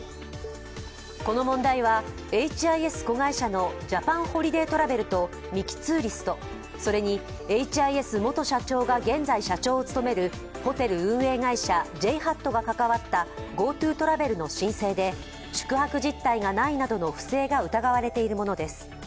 この問題はエイチ・アイ・エス子会社のジャパンホリデートラベルとミキ・ツーリストそれにエイチ・アイ・エス元社長が現在社長を務めるホテル運営会社、ＪＨＡＴが関わったＧｏＴｏトラベルの申請で宿泊実態がないなどの不正が疑われているものです。